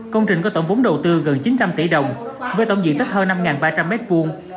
công trình có tổng vốn đầu tư gần chín trăm linh tỷ đồng với tổng diện tích hơn năm ba trăm linh m hai